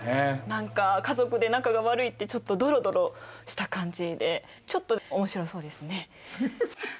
何か家族で仲が悪いってちょっとドロドロした感じでちょっと面白そうですね。